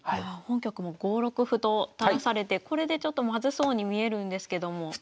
本局も５六歩と垂らされてこれでちょっとまずそうに見えるんですけども。